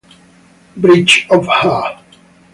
Bridge of Ha!